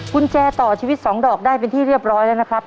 กุญแจต่อชีวิต๒ดอกได้เป็นที่เรียบร้อยแล้วนะครับ